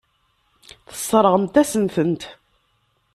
Tesseṛɣemt-asen-tent.